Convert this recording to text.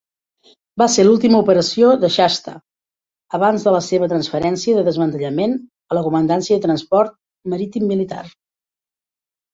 Va ser l'última operació de "Shasta" abans de la seva transferència de desmantellament a la Comandància de Transport Marítim Militar.